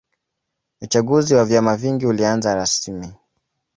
uchaguzi wa vyama vingi ulianza rasimi